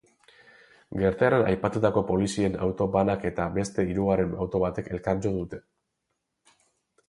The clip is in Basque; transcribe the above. Gertaeran aipatutako polizien auto banak eta beste hirugarren auto batek elkar jo dute.